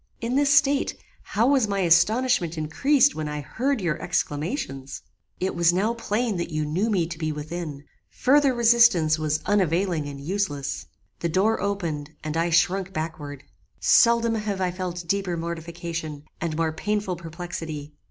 In this state, how was my astonishment increased when I heard your exclamations! "It was now plain that you knew me to be within. Further resistance was unavailing and useless. The door opened, and I shrunk backward. Seldom have I felt deeper mortification, and more painful perplexity.